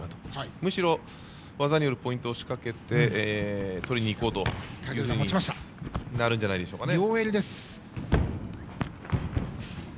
むしろ技によるポイントを仕掛けポイントをとりにいこうとなるんじゃないですかね。